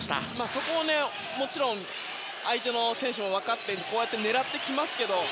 そこ、もちろん相手の選手も分かっていて狙ってきますけど。